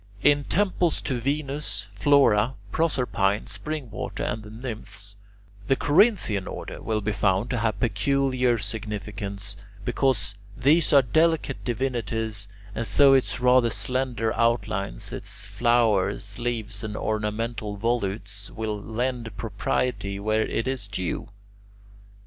In temples to Venus, Flora, Proserpine, Spring Water, and the Nymphs, the Corinthian order will be found to have peculiar significance, because these are delicate divinities and so its rather slender outlines, its flowers, leaves, and ornamental volutes will lend propriety where it is due.